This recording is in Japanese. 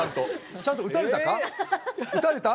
ちゃんと撃たれたか。